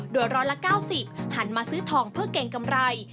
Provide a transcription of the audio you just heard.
โดยร้อยละ๙๐หันมาซื้อทองเพื่อเก่งกำไร